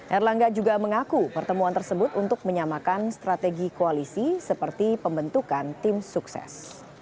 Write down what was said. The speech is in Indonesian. erlangga juga mengaku pertemuan tersebut untuk menyamakan strategi koalisi seperti pembentukan tim sukses